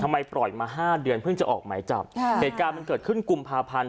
ปล่อยมาห้าเดือนเพิ่งจะออกหมายจับค่ะเหตุการณ์มันเกิดขึ้นกุมภาพันธ์